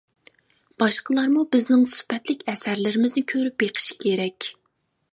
باشقىلارمۇ بىزنىڭ سۈپەتلىك ئەسەرلىرىمىزنى كۆرۈپ بېقىشى كېرەك!